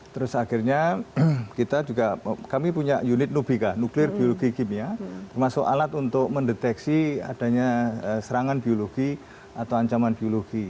terus akhirnya kita juga kami punya unit nubika nuklir biologi kimia termasuk alat untuk mendeteksi adanya serangan biologi atau ancaman biologi